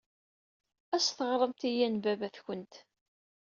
Ad as-teɣremt i yanbaba-twent.